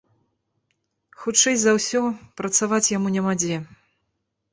Хутчэй за ўсё, працаваць яму няма дзе.